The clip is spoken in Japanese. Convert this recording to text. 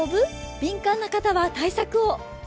敏感な方は対策を。